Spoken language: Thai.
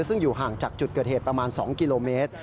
ซึ่งอยู่ห่างจากจุดเกิดเหตุประมาณ๒กิโลเมตร